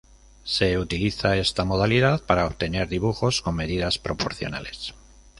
Se utiliza esta modalidad para obtener dibujos con medidas proporcionales.